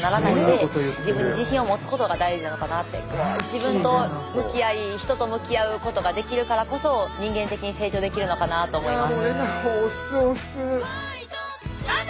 自分と向き合い人と向き合うことができるからこそ人間的に成長できるのかなと思います。